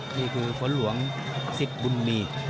นี่คือฝนหลวงสิทธิ์บุญมี